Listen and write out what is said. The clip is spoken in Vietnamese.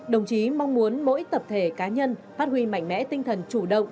đồng chí mong muốn mỗi tập thể cá nhân phát huy mạnh mẽ tinh thần chủ động